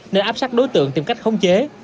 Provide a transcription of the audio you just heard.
nên áp sát đối tượng tìm cách không chế